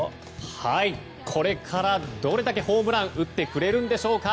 これからどれだけホームランを打ってくれるんでしょうか。